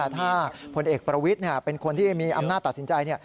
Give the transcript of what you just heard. ถ้าพลเอกประวิทย์เป็นคนที่มีอำนาจตัดสินใจ